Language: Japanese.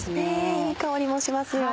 いい香りもしますよ。